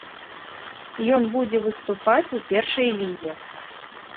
Ён будзе выступаць у першай лізе.